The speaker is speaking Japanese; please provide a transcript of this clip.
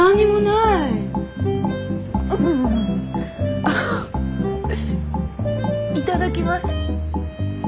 いただきます。